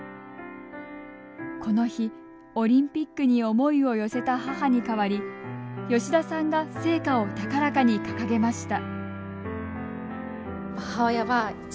この日、オリンピックに思いを寄せた母に代わり吉田さんが聖火を高らかに掲げました。